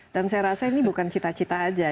dan saya rasa ini bukan cita cita aja